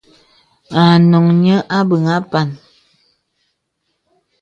À noŋhī nīə àbéŋ àpān.